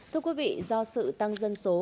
thưa quý vị do sự tăng dân số